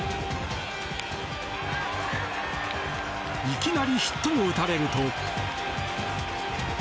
いきなりヒットを打たれると。